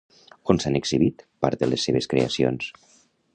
On s'han exhibit part de les seves creacions?